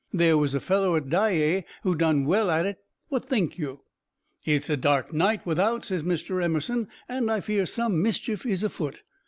There was a feller at Dyea who done well at it. What think you?' "'It's a dark night without,' says Mr. Emerson, 'and I fear some mischief is afoot!'